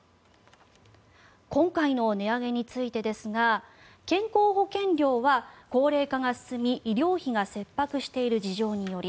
今回の値上げについてですが健康保険料は高齢化が進み医療費が切迫している事情により。